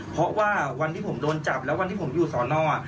เพราะว่าวันที่ผมโดนจับแล้ววันที่ผมอยู่สอนอ